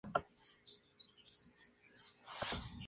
Fue un activo participante de la Revolución de Mayo.